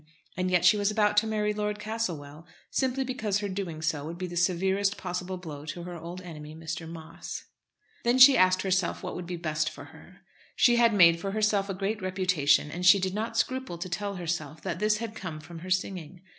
And yet she was about to marry Lord Castlewell, simply because her doing so would be the severest possible blow to her old enemy, Mr. Moss. Then she asked herself what would be best for her. She had made for herself a great reputation, and she did not scruple to tell herself that this had come from her singing.